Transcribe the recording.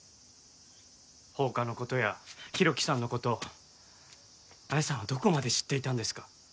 放火の事や浩喜さんの事彩さんはどこまで知っていたんですか？